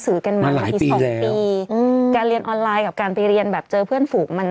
สือกันมาหลายปีแล้วอึ่งได้เรียนออนไลน์กับการไปเรียนแบบเจอเพื่อนฝูกมัน